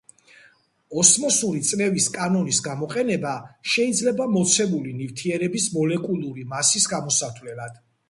ოსმოსური წნევის კანონის გამოყენება შეიძლება მოცემული ნივთიერების მოლეკულური მასის გამოსათვლელად.